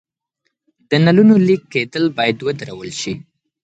د نلونو لیک کیدل باید ودرول شي.